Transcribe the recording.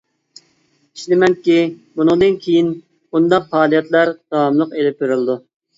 ئىشىنىمەنكى، بۇنىڭدىن كېيىن بۇنداق پائالىيەتلەر داۋاملىق ئېلىپ بېرىلىدۇ.